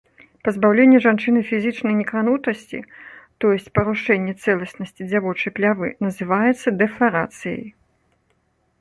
Пазбаўленне жанчыны фізічнай некранутасці, то есць парушэнне цэласнасці дзявочай плявы, называецца дэфларацыяй.